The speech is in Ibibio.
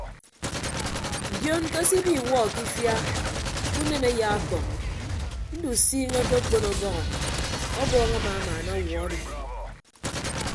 Ndion ke se ibi iwuọ ke ifia ke unen ayaakọñ ndusiiñe akekpon ọbọhọ ọbọọñ amamaana ọwuọ adi.